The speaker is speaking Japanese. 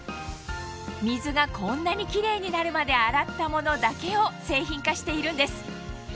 水がこんなにキレイになるまで洗ったものだけを製品化しているんです